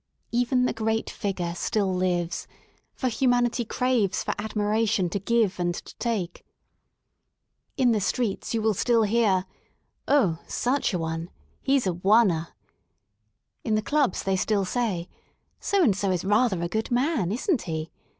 Even theGreat Figure still lives: for humanity craves for admiration to give and to take In the streets you 171 THE SOUL OF LONDON will still hear: Oh, such a one: he's a one erj^^ in the Clubs they still say :So and so is rather a good man, isn't he?"